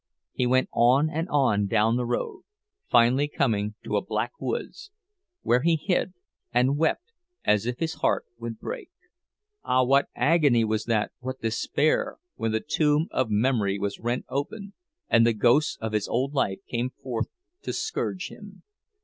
He went on and on down the road, finally coming to a black woods, where he hid and wept as if his heart would break. Ah, what agony was that, what despair, when the tomb of memory was rent open and the ghosts of his old life came forth to scourge him!